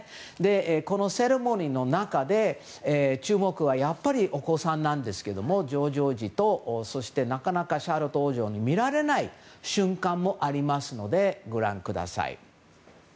そのセレモニーの中でやっぱり注目はやっぱりお子さんなんですがジョージ王子となかなかシャーロット王女に見られない瞬間もありますのでご覧ください。